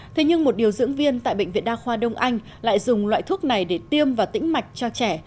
thế nhưng một điều dưỡng viên tại bệnh viện đa khoa đông anh lại dùng loại thuốc này để tiêm và tĩnh mạch cho trẻ